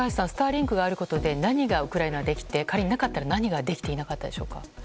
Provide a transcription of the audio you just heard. スターリンクがあることで何がウクライナができて仮になかったら何ができなかったでしょうか。